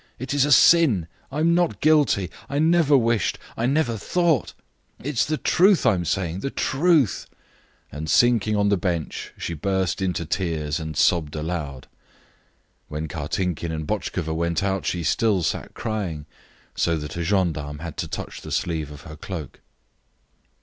"It is a sin! I am not guilty! I never wished I never thought! It is the truth I am saying the truth!" and sinking on the bench she burst into tears and sobbed aloud. When Kartinkin and Botchkova went out she still sat crying, so that a gendarme had to touch the sleeve of her cloak.